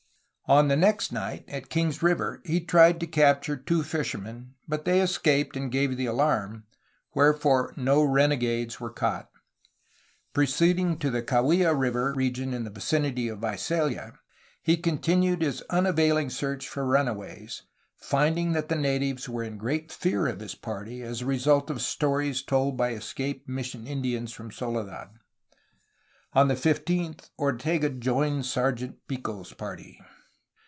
On the next night, at Kings River, he tried to capture two fishermen, but they escaped and gave the alarm, wherefore no renegades were caught. Proceeding to the Kaweah River region in the vicinity of Visalia, he continued his unavailing search for runaways, finding that the natives were in great fear of his party as a result of stories told by escaped mission Indians from Soledad. On the fifteenth, Ortega joined Sergeant Pico's party.